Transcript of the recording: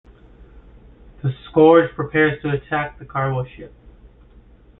The Scourge prepares to attack the cargo ship.